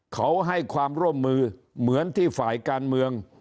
เขาให้ความร่วมมือเหมือนที่ฝ่ายการเมือง